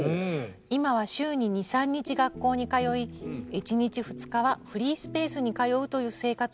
今は週に２３日学校に通い１日２日はフリースペースに通うという生活を送っています。